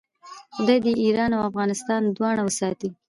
خدای دې ایران او افغانستان دواړه وساتي.